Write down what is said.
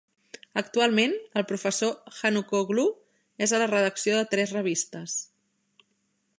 Actualment, el professor Hanukoglu és a la redacció de tres revistes.